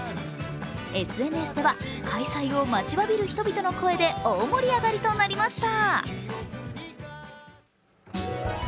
ＳＮＳでは開催を待ちわびる人々の声で大盛り上がりとなりました。